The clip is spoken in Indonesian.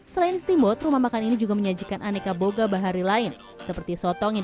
selain steamboat rumah makan ini juga menyajikan aneka boga bahari lain seperti sotong yang